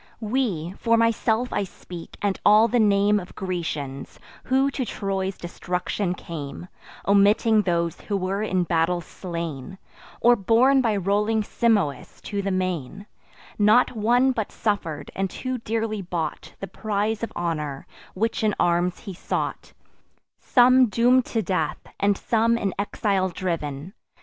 We—for myself I speak, and all the name Of Grecians, who to Troy's destruction came, (Omitting those who were in battle slain, Or borne by rolling Simois to the main) Not one but suffer'd, and too dearly bought The prize of honour which in arms he sought; Some doom'd to death, and some in exile driv'n.